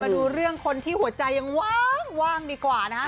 ดูเรื่องคนที่หัวใจยังว่างดีกว่านะฮะ